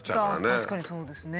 確かにそうですね。